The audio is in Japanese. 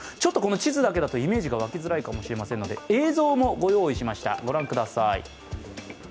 地図だけだとイメージが湧きづらいと思いますので映像もご用意しました。